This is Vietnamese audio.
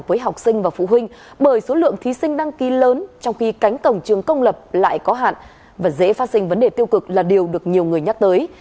với học sinh và phụ huynh bởi số lượng thí sinh đăng ký lớn trong khi cánh cổng trường công lập lại có hạn và dễ phát sinh vấn đề tiêu cực là điều được nhiều người nhắc tới